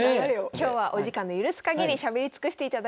今日はお時間の許すかぎりしゃべり尽くしていただきます。